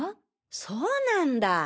そうなんだ。